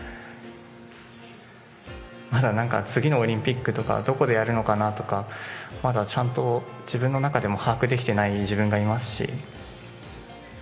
まだなんか、次のオリンピックとかどこでやるのかなとか、まだちゃんと自分の中でも把握できていない自分がいますし。